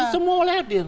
semua boleh hadir